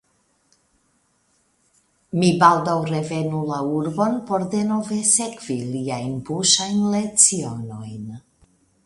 Mi baldaŭ revenu la urbon por denove sekvi liajn buŝajn lecionojn.